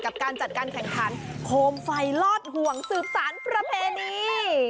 กับการจัดการแข่งขันโคมไฟลอดห่วงสืบสารประเพณี